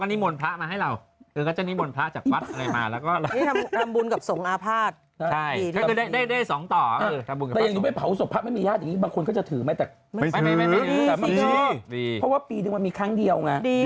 กลับไปกี่โมงแล้วเดี๋ยวจะไปด้วย